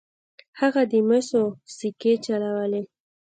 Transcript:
هغه د مسو سکې چلولې.